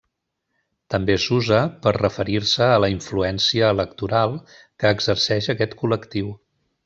També s'usa per referir-se a la influència electoral que exerceix aquest col·lectiu.